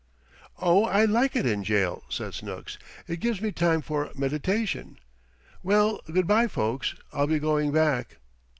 "Oh, I like it in jail," said Snooks. "It gives me time for meditation. Well, good bye, folks, I'll be going back."